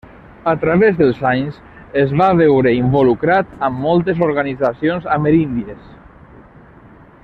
A través dels anys es va veure involucrat amb moltes organitzacions ameríndies.